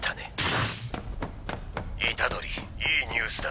ブツン虎杖いいニュースだ。